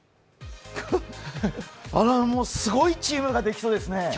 あら、もうすごいチームができそうですね。